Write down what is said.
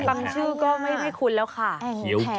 ชื่อก็ไม่คุ้นแล้วค่ะ